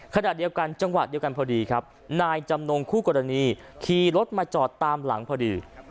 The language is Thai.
ขณะเดียวกันจังหวะเดียวกันพอดีครับนายจำนงคู่กรณีขี่รถมาจอดตามหลังพอดี